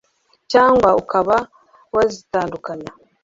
cyangwa ukaba wazitandukanya